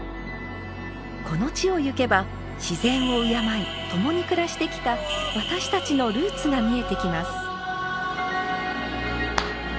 この地をゆけば自然を敬い共に暮らしてきた私たちのルーツが見えてきます。